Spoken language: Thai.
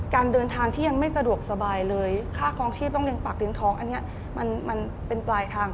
การเดินทางที่ยังไม่สะดวกสบายเลยค่าคลองชีพต้องเลี้ยปากเลี้ยงท้องอันนี้มันเป็นปลายทาง